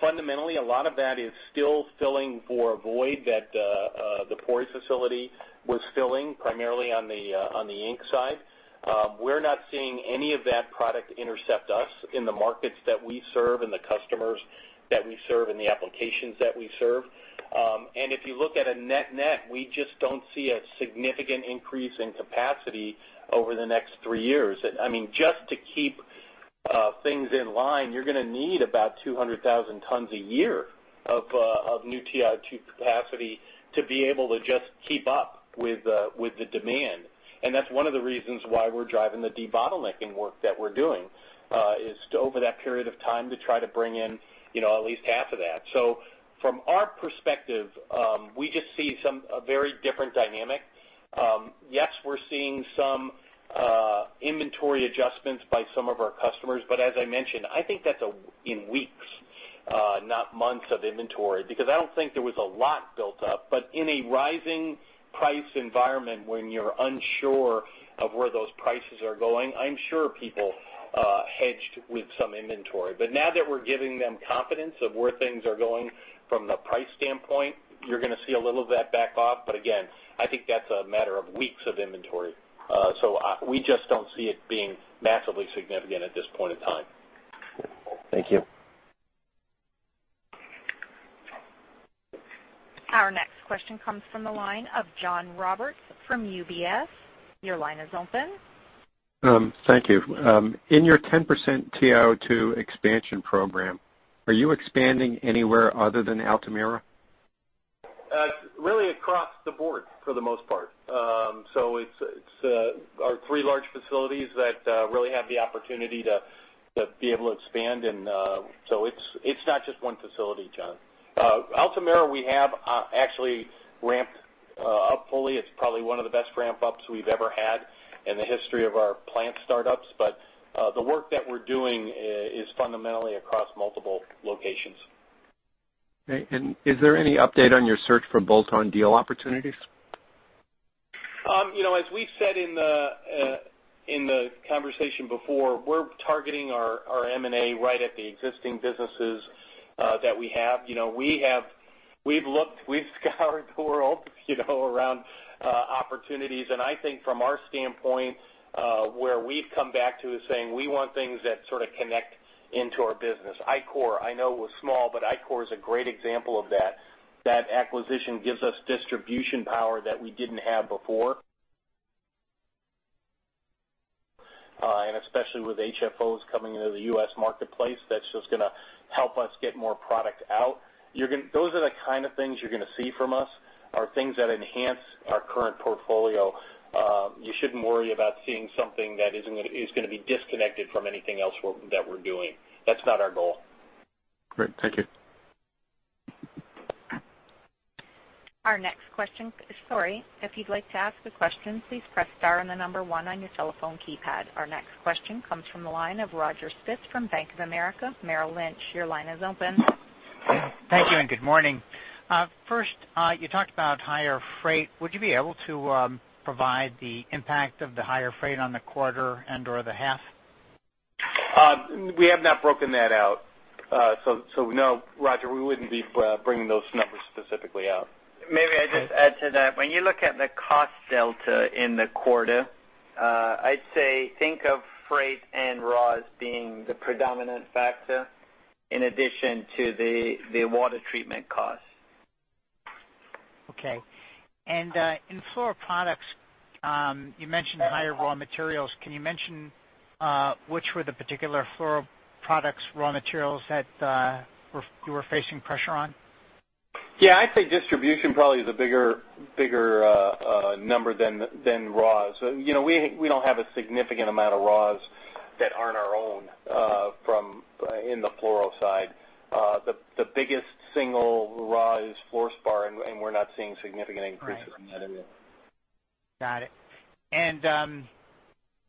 Fundamentally, a lot of that is still filling for a void that the La Porte facility was filling primarily on the ink side. We're not seeing any of that product intercept us in the markets that we serve and the customers that we serve and the applications that we serve. If you look at a net-net, we just don't see a significant increase in capacity over the next 3 years. Just to keep things in line, you're going to need about 200,000 tons a year of new TiO2 capacity to be able to just keep up with the demand. That's one of the reasons why we're driving the debottlenecking work that we're doing, is over that period of time to try to bring in at least half of that. From our perspective, we just see a very different dynamic. Yes, we're seeing some inventory adjustments by some of our customers. As I mentioned, I think that's in weeks, not months of inventory, because I don't think there was a lot built up. In a rising price environment, when you're unsure of where those prices are going, I'm sure people hedged with some inventory. Now that we're giving them confidence of where things are going from the price standpoint, you're going to see a little of that back off. Again, I think that's a matter of weeks of inventory. We just don't see it being massively significant at this point in time. Thank you. Our next question comes from the line of John Roberts from UBS. Your line is open. Thank you. In your 10% TiO2 expansion program, are you expanding anywhere other than Altamira? Really across the board for the most part. It's our three large facilities that really have the opportunity to be able to expand. It's not just one facility, John. Altamira we have actually ramped up fully. It's probably one of the best ramp-ups we've ever had in the history of our plant startups. The work that we're doing is fundamentally across multiple locations. Okay. Is there any update on your search for bolt-on deal opportunities? As we said in the conversation before, we're targeting our M&A right at the existing businesses that we have. We've scoured the world around opportunities. I think from our standpoint, where we've come back to is saying we want things that sort of connect into our business. ICOR, I know was small, but ICOR is a great example of that. That acquisition gives us distribution power that we didn't have before. Especially with HFOs coming into the U.S. marketplace, that's just going to help us get more product out. Those are the kind of things you're going to see from us, are things that enhance our current portfolio. You shouldn't worry about seeing something that is going to be disconnected from anything else that we're doing. That's not our goal. Great. Thank you. Our next question. Sorry. If you'd like to ask a question, please press star one on your telephone keypad. Our next question comes from the line of Roger Spitz from Bank of America Merrill Lynch. Your line is open. Thank you and good morning. First, you talked about higher freight. Would you be able to provide the impact of the higher freight on the quarter and/or the half? We have not broken that out. No, Roger, we wouldn't be bringing those numbers specifically out. Maybe I just add to that. When you look at the cost delta in the quarter, I'd say think of freight and raws being the predominant factor in addition to the water treatment cost. Okay. In Fluoroproducts, you mentioned higher raw materials. Can you mention which were the particular Fluoroproducts raw materials that you were facing pressure on? Yeah, I'd say distribution probably is a bigger number than raws. We don't have a significant amount of raws that aren't our own in the fluoro side. The biggest single raw is fluorspar, and we're not seeing significant increases in that area. Got it.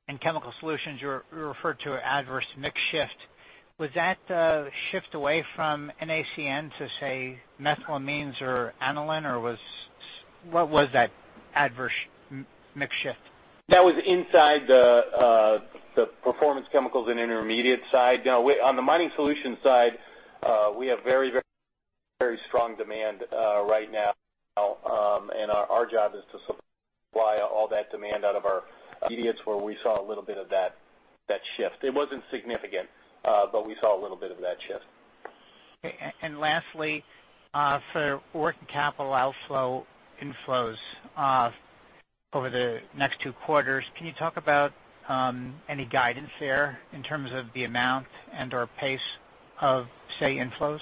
In Chemical Solutions, you referred to adverse mix shift. Was that a shift away from NaCN to, say, methylamines or aniline, or what was that adverse mix shift? That was inside the Performance Chemicals and Intermediates side. On the Mining Solutions side, we have very strong demand right now. Our job is to supply all that demand out of our intermediates where we saw a little bit of that shift. It wasn't significant, but we saw a little bit of that shift. Okay. Lastly, for working capital outflows over the next two quarters, can you talk about any guidance there in terms of the amount and/or pace of, say, inflows?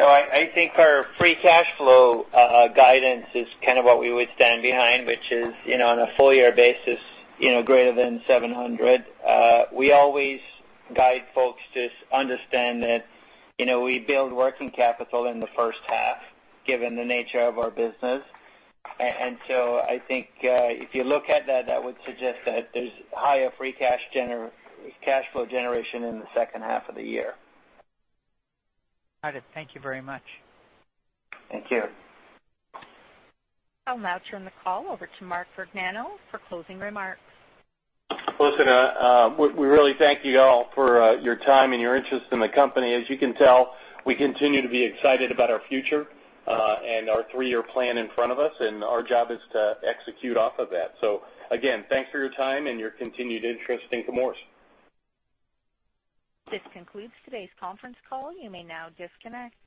I think our free cash flow guidance is kind of what we would stand behind, which is on a full-year basis, greater than $700. We always guide folks to understand that we build working capital in the first half, given the nature of our business. I think if you look at that would suggest that there's higher free cash flow generation in the second half of the year. Got it. Thank you very much. Thank you. I'll now turn the call over to Mark Vergnano for closing remarks. Listen, we really thank you all for your time and your interest in the company. As you can tell, we continue to be excited about our future and our three-year plan in front of us, and our job is to execute off of that. Again, thanks for your time and your continued interest in Chemours. This concludes today's conference call. You may now disconnect.